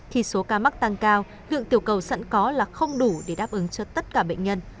khi số ca mắc tăng cao lượng tiểu cầu sẵn có là không đủ để đáp ứng cho tất cả bệnh nhân